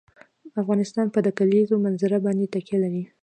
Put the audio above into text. افغانستان په د کلیزو منظره باندې تکیه لري.